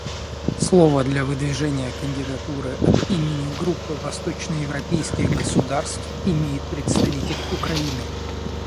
Слово для выдвижения кандидатуры от имени Группы восточноевропейских государств имеет представитель Украины.